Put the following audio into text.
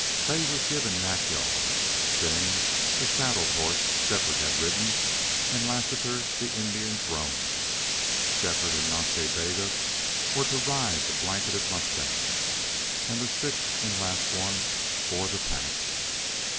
Fay was given Nack yal, Jane the saddled horse Shefford had ridden, and Lassiter the Indian's roan. Shefford and Nas Ta Bega were to ride the blanketed mustangs, and the sixth and last one bore the pack.